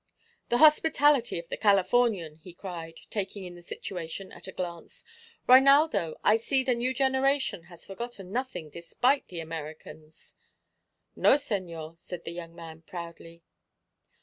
"The hospitality of the Californian!" he cried, taking in the situation at a glance. "Reinaldo, I see the new generation has forgotten nothing, despite the Americans." "No, señor," said the young man, proudly.